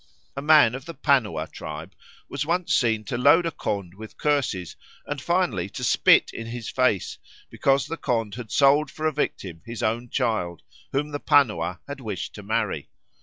A man of the Panua tribe was once seen to load a Khond with curses, and finally to spit in his face, because the Khond had sold for a victim his own child, whom the Panua had wished to marry.